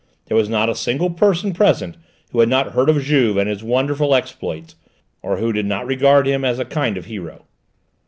There was not a single person present who had not heard of Juve and his wonderful exploits, or who did not regard him as a kind of hero.